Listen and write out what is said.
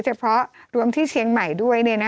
จำกัดจำนวนได้ไม่เกิน๕๐๐คนนะคะ